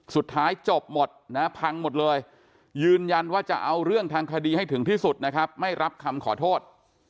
สุดท้ายจบหมดนะพังหมดเลยยืนยันว่าจะเอาเรื่องทางคดีให้ถึงที่สุดนะครับไม่รับคำขอโทษ